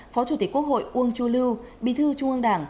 phó chủ tịch quốc hội uông chu lưu bí thư trung ương đảng